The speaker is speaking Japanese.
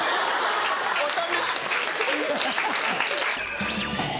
大人。